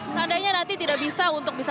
seandainya nanti tidak bisa untuk bisa